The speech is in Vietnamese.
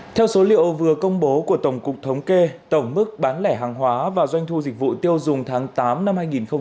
theo số liệu vừa công bố của tổng cục thống kê tổng mức bán lẻ hàng hóa và doanh thu dịch vụ tiêu dùng tháng tám năm hai nghìn hai mươi